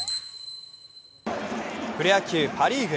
プロ野球、パ・リーグ。